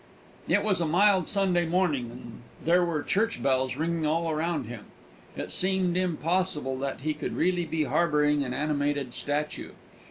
It was a mild Sunday morning, and there were church bells ringing all around him; it seemed impossible that he could really be harbouring an animated antique.